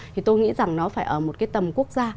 thì tôi nghĩ rằng nó phải ở một cái tầm quốc gia